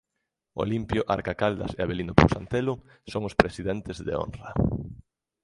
Olimpio Arca Caldas e Avelino Pousa Antelo son os presidentes de honra.